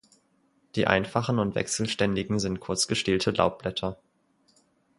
Die einfachen und wechselständigen sind kurz gestielte Laubblätter.